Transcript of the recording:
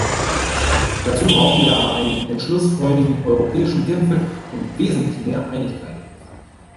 Dazu brauchen wir aber einen entschlussfreudigen europäischen Gipfel und wesentlich mehr Einigkeit.